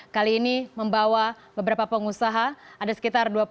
kali ini membawa beberapa pengusaha ada sekitar dua puluh